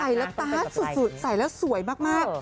ใส่แล้วตาร์ทสุดใส่แล้วสวยมาก